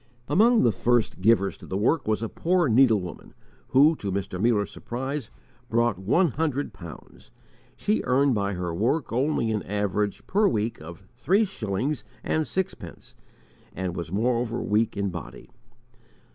Among the first givers to the work was a poor needlewoman, who, to Mr. Muller's surprise, brought one hundred pounds. She earned by her work only an average, per week, of three shillings and sixpence, and was moreover weak in body.